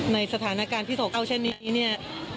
ในสถานการณ์ที่โศกเศร้าเช่นนี้เนี่ย